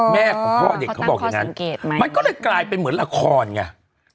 แม่ของพ่อเด็กเขาบอกอย่างนั้นมันก็เลยกลายเป็นเหมือนละครไง